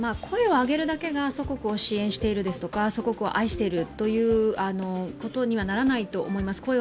声を上げるだけが祖国を支援しているですとか、祖国を愛しているということにはならないと思います。